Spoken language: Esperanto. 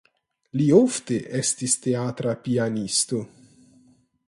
Li ofte estis teatra pianisto.